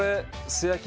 素焼き